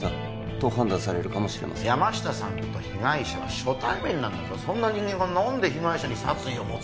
と判断されるかもしれません山下さんと被害者は初対面だぞそんな人間が何で被害者に殺意を持つ？